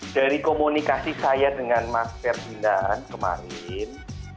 dari komunikasi saya dengan mas ferdinand kemarin